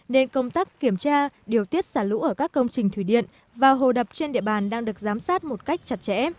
nên công tác kiểm tra điều tiết xả lũ ở các công trình thủy điện và hồ đập trên địa bàn đang được giám sát một cách chặt chẽ